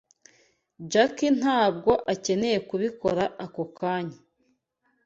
Jack ntabwo akeneye kubikora ako kanya.